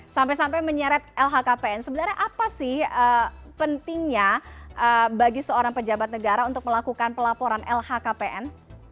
sampai sampai menyeret lhkpn sebenarnya apa sih pentingnya bagi seorang pejabat negara untuk melakukan pelaporan lhkpn